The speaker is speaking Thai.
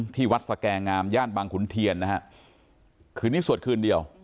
ที่วัดสแก่งามย่านบางขุนเทียนนะฮะคืนนี้สวดคืนเดียว